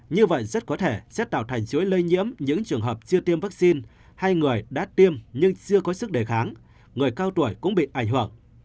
như vậy rất có thể sẽ tạo thành chuỗi lây nhiễm những trường hợp chưa tiêm vaccine hay người đã tiêm nhưng chưa có sức đề kháng người cao tuổi cũng bị ảnh hưởng